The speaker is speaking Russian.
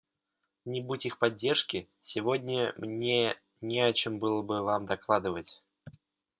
Не будь их поддержки, сегодня мне не о чем было бы вам докладывать.